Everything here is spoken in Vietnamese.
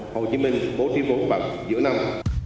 hồ chí minh bố trí vốn bằng giữa năm